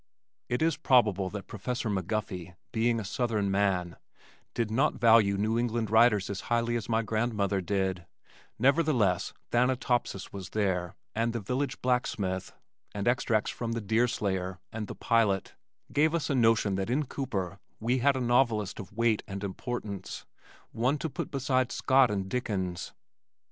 It is probable that Professor McGuffey, being a Southern man, did not value New England writers as highly as my grandmother did, nevertheless Thanatopsis was there and The Village Blacksmith, and extracts from The Deer Slayer and The Pilot gave us a notion that in Cooper we had a novelist of weight and importance, one to put beside Scott and Dickens.